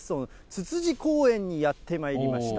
つつじ公園にやってまいりました。